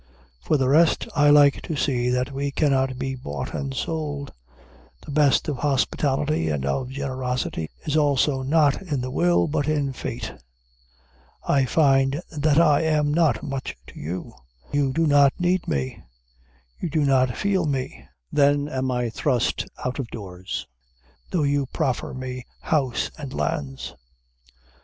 For the rest, I like to see that we cannot be bought and sold. The best of hospitality and of generosity is also not in the will, but in fate. I find that I am not much to you; you do not need me; you do not feel me; then am I thrust out of doors, though you proffer me house and lands.